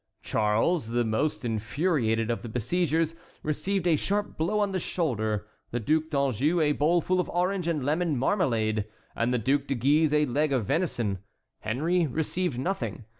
Charles, the most infuriated of the besiegers, received a sharp blow on the shoulder, the Duc d'Anjou a bowl full of orange and lemon marmalade, and the Duc de Guise a leg of venison. Henry received nothing.